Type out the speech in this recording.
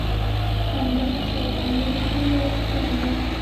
همدرد صیب او نور ملګري رارسېدلي وو.